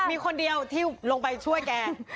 มีคนเดียวที่ลงไปช่วยแก